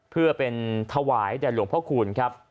เพื่อเป็นถวายแด่หลวงพระคูณครับ